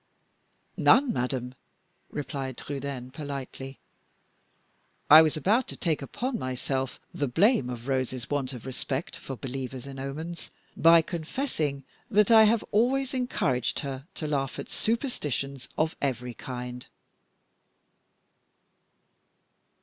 "None, madame," replied Trudaine, politely. "I was about to take upon myself the blame of Rose's want of respect for believers in omens, by confessing that I have always encouraged her to laugh at superstitions of every kind."